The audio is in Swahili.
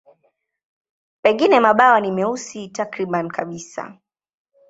Pengine mabawa ni meusi takriban kabisa.